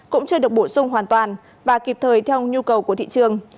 cũng chưa được bổ sung hoàn toàn và kịp thời theo nhu cầu của thị trường